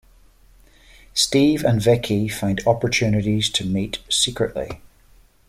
Steve and Vickie find opportunities to meet secretly.